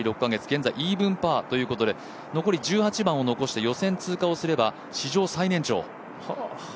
現在イーブンパーということで残り１８番を残して予選通過をすれば史上最年長。